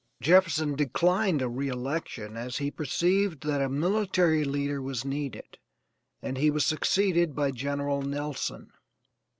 Jefferson declined a re election as he perceived that a military leader was needed, and he was succeeded by General Nelson.